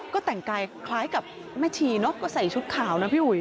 ก็แต่งกายคล้ายกับแม่ชีเนอะก็ใส่ชุดขาวนะพี่อุ๋ย